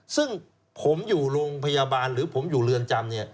ซึ่งผมอยู่โรงพยาบาลหรือผมอยู่เรือนจำ